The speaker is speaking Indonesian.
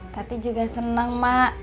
tati juga seneng emak